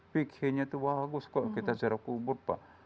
fikihnya itu bagus kok kita secara kubur pak